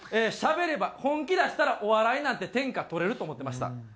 しゃべれば本気出したらお笑いなんて天下取れると思ってました。